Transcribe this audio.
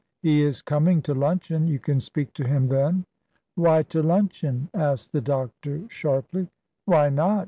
"He is coming to luncheon; you can speak to him then." "Why to luncheon?" asked the doctor, sharply. "Why not?"